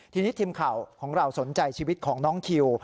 ทีนี้ทีมข่าวของเราสนใจชีวิตของน้องคิว